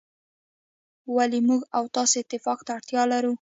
ولي موږ او تاسو اتفاق ته اړتیا لرو.